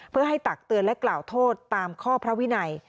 เพื่อให้ตักเตือนและกล่าวโทษตามข้อพระวินัย